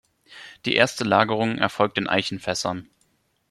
Die erste Lagerung erfolgt in Eichenfässern.